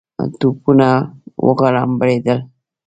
توپونه وغړومبېدل.